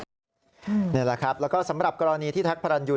นี่แหละครับแล้วก็สำหรับกรณีที่แท็กพระรันยู